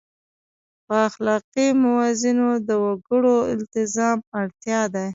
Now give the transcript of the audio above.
په اخلاقي موازینو د وګړو التزام اړتیا ده.